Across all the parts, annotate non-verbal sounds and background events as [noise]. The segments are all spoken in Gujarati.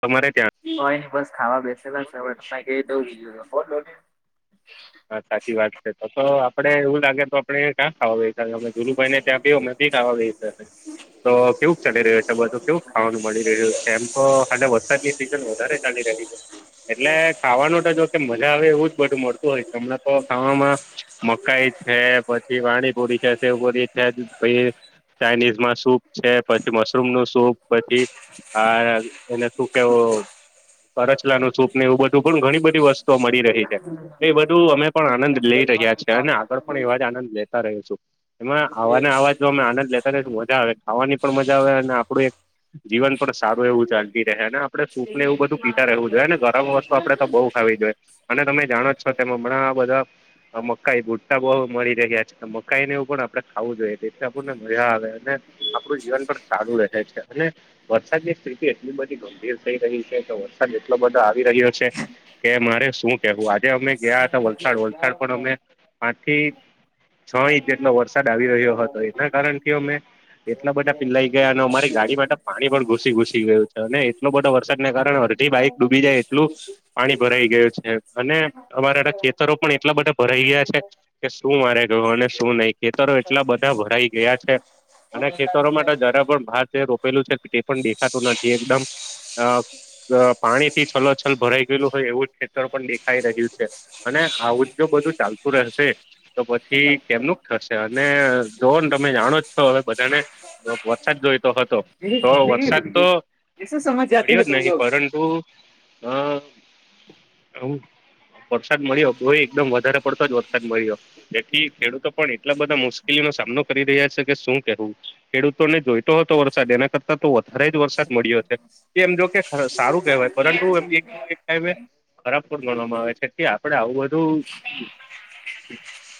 તમારે ત્યાં કોઈ નઈ બસ ખાવા બેસેલા છે ત દહીં [unintelligible] હા સાચી વાત છે તો તો આપડે એવું લાગે તો આપડે ક્યાં ખાવા અ જુલુ ભાઈ ને ત્યાં બે અમે બીકવા ગઈ તો કેવું ચાલી રહ્યો છે બધો કેયું. ખાવાનું મળી રહ્યું એમ તો સાથે વરસાદની સિઝન વધારે ચાલી રહી છે એટલે ખાવાનું તો જો મજા આવે એવું જ બધું મળતું હોય હમણાં તો ખાવામાં મકાઈ છે પછી વાણીપુરી છે સે પૂરી છે પછી. ચાઇનીઝ માં સૂપ છે પછી મશરૂમ નું સૂપ પછી. હા એને શું કેવું! કરછલાનું સૂપ ને એવું બધું પણ ઘણી બધી વસ્તુઓ મળી રહી છે. એ બધું અમે પણ આનંદ લઈ રહ્યા છે અને આગળ પણ એવા જ આનંદ લેતા રહ છું. એમાં આવાને આવાજ જો અમે આનંદ લેતા ને મજા આવે ખાવાની પણ મજા આવે અને આપડું એક જીવન પણ સારું એવું ચાલતી રહે અને આપડે સૂપ ને એવું બધું પીતા રહેવું જોઈએ ને ગરમ વસ્તુ આપડે તો બહુ ખાવી જોઈએ. અને તમે જાણો જ છો તે હમણાં આ બધા મકાઈ ભુટ્ટા બહુ મળી રહ્યા છે. મકાઈ ને એવું પણ આપડે ખાવું જોઈએ તેથી આપણને મજા આવે અને આપણું જીવન પણ સારું રહે છે. અને વરસાદની સ્થિતિ એટલી બધી ગંભીર થઈ રહી છે તો વરસાદ એટલો બધો આવી રહ્યો છે. કે મારે શું કેવું આજે અમે ગયા હતા વલસાડ વલસાડ પણ અમે પાંચથી છ ઇંચ જેટલો વરસાદ આવી રહ્યો હતો એના કારણ કે અમે એટલા બધા પિલાઈ ગયા અને અમારી ગાડી માટે પાણી પણ ઘૂસી ઘૂસી ગયું છે અને એટલો બધો વરસાદના કારણે બાઈક ડૂબી જાય એટલું પાણી ભરાઈ ગયું છે અને અમારા એના ખેતરો પણ એટલા બધા ભરાઈ ગયા છે. કે શું મારે ગયો અને શું નહી ખેતરો એટલા બધા ભરાઈ ગયા છે. અને ખેતરો માટે જરા પણ ભાત જે રોપેલું છે તે પણ દેખાતું નથી એકદમ અ પાણી થી છલોછલ ભરાઈ ગયેલું હોય એવું ખેતર પણ દેખાઈ રહ્યું છે. અને આવું જો બધું ચાલતું રહેશે તો પછી કેનું થશે અને જોન તમે જાણો જ છો હવે બધાને વરસાદ જોઈતો હતો. એસ સમયતી તમલો ું હ હ વરસાદ મળ્યો ભય એકદમ વધારે પડતો જ વરસાદ મળ્યો. જેથી ખેડૂતો પણ એટલા બધા મુશ્કેલીઓનો સામનો કરી રહ્યા છે કે શું કેવું ખેડૂતોને જોઈતો હતો વરસાદ એના કરતા તો વધારે જ વરસાદ મળ્યો છે એ એમ જો કે સારું કહેવાય પરંતુ એમ ટાઈ ખરાબ પણ ગણવામાં આવે છે કે આપડે આવું બધું.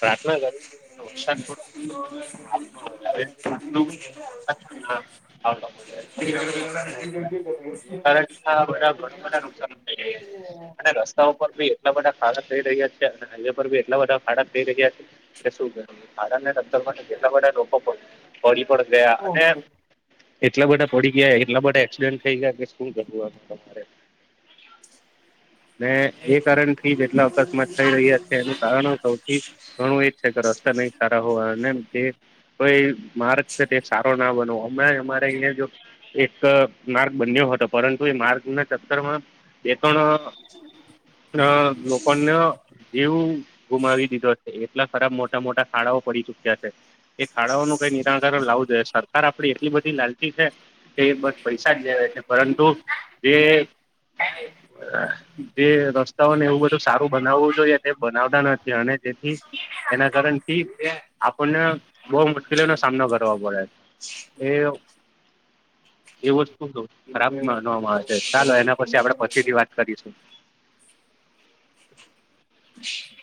રાતલા [unintelligible] આવ કારણ બરા નુકસાન થ અનેસ્ પર બધા ખાડાા થઈ રહ્યા છે અને હાઈવે પરી એટલા બધા ખાડાા થઈ રહ્યા છે કે શું ખાડાને જેટલા બધા લોકો પડી પણ ગયા અને એટલા બધા પડી ગયા એટલા બધા એક્સિડેન્ટ થઈ ગયા કે શું કરું તમારે ને એ કારણ થી જેટલા અકસ્માત થઈ રહ્યા છે એનું કારણ સૌથી. ઘણું એ છે કે રસ્તા નહી સારા હોવા. કોઈ માર્ગ છે તે સારો ના બનવો અમે અમારે અયા જો એક માર્ગ બન્યો હતો પરંતુ એ માર્ગ ના ચક્કરમાં બે ત્રણ ના લોકોને એવું ગુમાવી દીધો છે એટલા ખરાબ મોટા મોટા શાળાઓ પડી ચુક્યા છે. એ ખાડાઓનું કઈ નિરાકણ લાવવું જોઈએ સરકાર આપડી એટલી બધી લાલચ છે કે બસ પૈસા જ લેવા છે. પરંતુ જે હ જે રસ્તાઓને એવું બધું સારું બનાવવું જોઈએ તેમ બનાવતા નથી અને જેથી એના કારણે આપણ બહુ મુશ્કેલીઓનો સામનો કરવાવો પડે એ એ વસ્તુ આરામ માનવામાં આવે છે ચાલો એના પછી આપડે પછી થી વાત કરીશું. [inaudible]